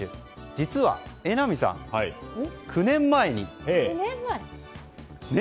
実は榎並さん、９年前にね。